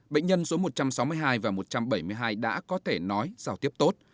bệnh nhân số một trăm sáu mươi hai và một trăm bảy mươi hai đã có thể nói giao tiếp tốt